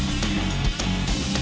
terima kasih chandra